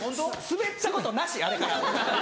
スベったことなしあれから！